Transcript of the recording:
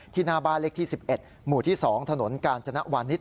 หน้าบ้านเลขที่๑๑หมู่ที่๒ถนนกาญจนวานิส